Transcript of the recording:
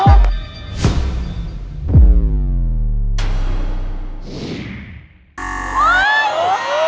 โอ้โห